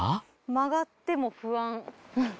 曲がっても不安。